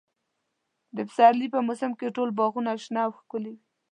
د پسرلي په موسم کې ټول باغونه شنه او ښکلي وي.